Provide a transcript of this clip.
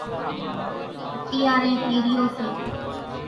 اتيارين پِيرِيو سي۔